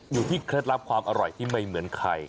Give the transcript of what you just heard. เคล็ดลับความอร่อยที่ไม่เหมือนใคร